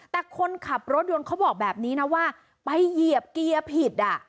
แต่คนขับรถยนต์เขาบอกแบบนี้นะว่าไปเหยียบเกียร์ผิดอ่ะ